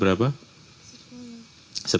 empat citra kelas empat ya